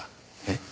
えっ？